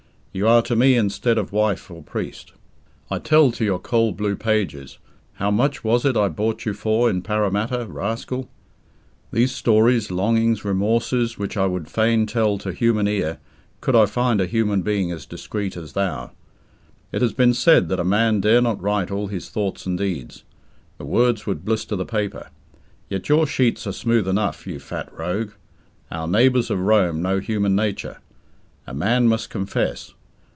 You are to me instead of wife or priest. I tell to your cold blue pages how much was it I bought you for in Parramatta, rascal? these stories, longings, remorses, which I would fain tell to human ear could I find a human being as discreet as thou. It has been said that a man dare not write all his thoughts and deeds; the words would blister the paper. Yet your sheets are smooth enough, you fat rogue! Our neighbours of Rome know human nature. A man must confess.